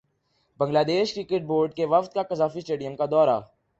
Bangladesh cricket board کے وفد کا قذافی اسٹیڈیم کا دورہ